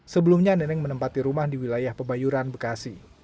sebelumnya neneng menempati rumah di wilayah pebayuran bekasi